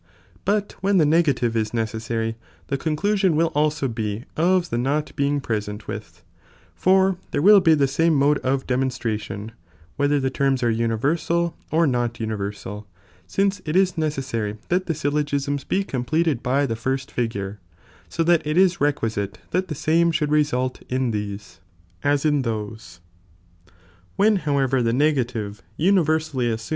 But when the negative is 1 necessary, the conclusion will also be of the not being present 1 with ; for there will be the same mode of demonstration; 1 whether the terms are universal or not universal, since it ta 1 necessary that the syllogisms be completed by the first figure, ' BO that it is reqaii<ite that the same should result, in these,' happens that eierj idui sleep* Ghonid i iiiipi=[»J A Ex. "L It happens Ibat every man